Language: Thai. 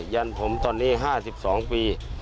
ยันผมตอนนี้๕๒ปี